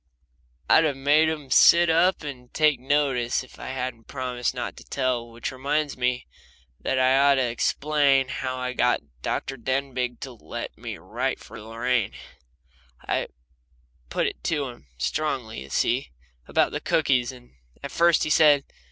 I'd have made them sit up and take notice if I hadn't promised not to tell. Which reminds me that I ought to explain how I got Dr. Denbigh to let me write this for Lorraine. I put it to him strongly, you see, about the cookies, and at first he said.